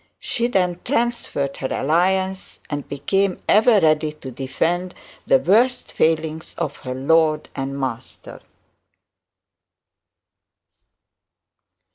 She then transferred her allegiance, and became ever ready to defend the worst failings of her lord and master.